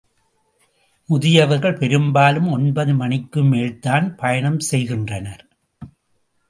முதியவர்கள் பெரும்பாலும் ஒன்பது மணிக்கு மேல்தான் பயணம் செய்கின்றனர்.